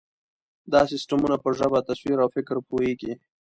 دا سیسټمونه په ژبه، تصویر، او فکر پوهېږي.